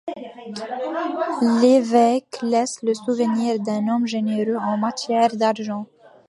L’évêque laisse le souvenir d’un homme généreux en matière d’argent.